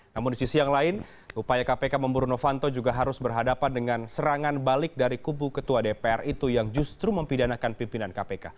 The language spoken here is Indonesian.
namun di sisi yang lain upaya kpk memburu novanto juga harus berhadapan dengan serangan balik dari kubu ketua dpr itu yang justru mempidanakan pimpinan kpk